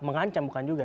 mengancam bukan juga